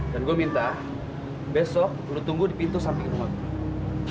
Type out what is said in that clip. dan gua minta besok lu tunggu di pintu samping rumah gua